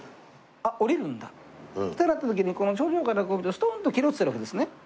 あっ下りるんだってなった時にこの頂上から見るとストーンと切り落ちてるわけですね。